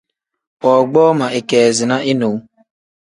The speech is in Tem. Woogboo ma ikeezina inewu.